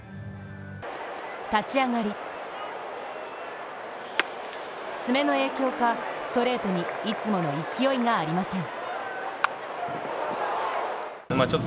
立ち上がり爪の影響か、ストレートにいつもの勢いがありません。